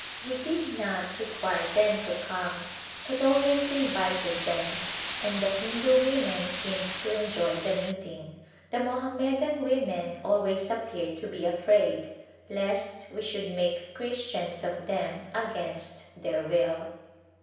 We did not require them to come but ahvavs invited them and the Hindu women seemed to enjoy the meeting. The Mohammedan women always appeared to be afraid lest we should make Christians of them against their will.